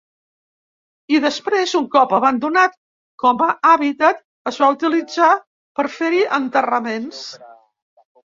I després, un cop abandonat com a hàbitat, es va utilitzar per fer-hi enterraments.